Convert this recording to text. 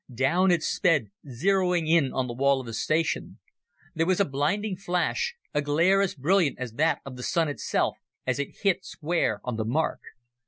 Down it sped, zeroing in on the wall of the station. There was a blinding flash, a glare as brilliant as that of the Sun itself, as it hit square on the mark.